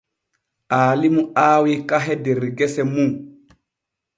Aalimu aawi kahe der gese mun.